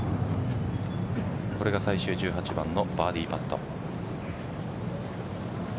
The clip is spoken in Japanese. これが最終十八番のバーディーパット。